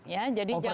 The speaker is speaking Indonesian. ya jadi jangan